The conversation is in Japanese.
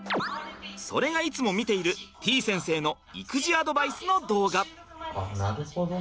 それがいつも見ているてぃ先生の育児アドバイスの動画。